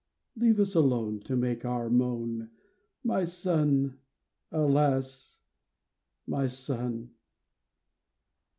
Leave us alone to make our moan — My son ! alas, my son